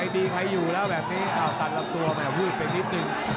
คนดีเธออยู่แล้วแบบนี้เอาตัดลงตัวมาให้ทวดไปนิดนึง